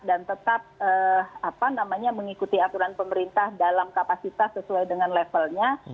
dan tetap apa namanya mengikuti aturan pemerintah dalam kapasitas sesuai dengan levelnya